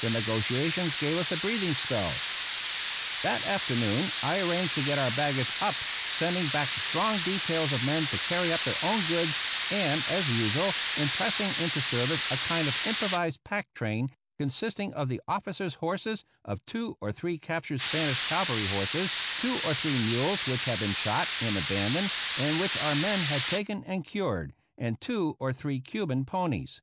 The negotiations gave us a breathing spell. That afternoon I arranged to get our baggage up, sending back strong details of men to carry up their own goods, and, as usual, impressing into the service a kind of improvised pack train consisting of the officers' horses, of two or three captured Spanish cavalry horses, two or three mules which had been shot and abandoned and which our men had taken and cured, and two or three Cuban ponies.